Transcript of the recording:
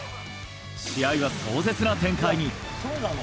試合は壮絶な展開に。